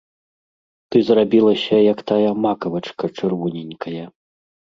Ты зрабілася, як тая макавачка чырвоненькая!